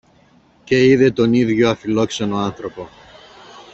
και είδε τον ίδιο αφιλόξενο άνθρωπο